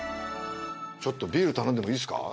ちょっとビール頼んでもいいっすか？